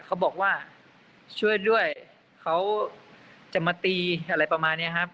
เขาบอกว่าช่วยด้วยเขาจะมาตีอะไรประมาณนี้ครับ